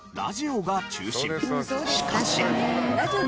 しかし。